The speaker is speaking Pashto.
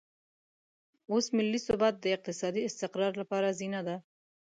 اوس ملي ثبات د اقتصادي استقرار لپاره زینه ده.